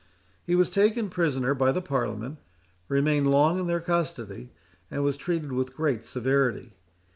He was taken prisoner by the Parliament, remained long in their custody, and was treated with great severity.